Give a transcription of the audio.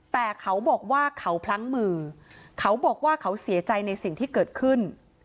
แต่เขาบอกว่าเขาพลั้งมือเขาบอกว่าเขาเสียใจในสิ่งที่เกิดขึ้น